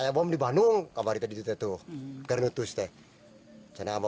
kdr menangkap kdr di mata tetangga